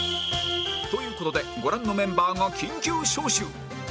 という事でご覧のメンバーが緊急招集